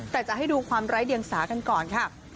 แต่จะให้ดูความไร้เดียงสากันก่อนค่ะ